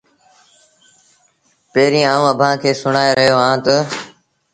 پيريٚݩ آئوٚنٚ اڀآنٚ کي سُڻآئي رهيو اهآنٚ تا